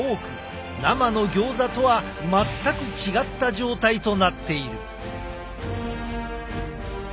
生のギョーザとは全く違った状態となっている。